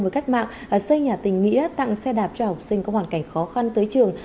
với cách mạng xây nhà tình nghĩa tặng xe đạp cho học sinh có hoàn cảnh khó khăn tới trường